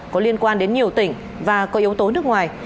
có liên quan đến nhiều tỉnh và có yếu tố nước ngoài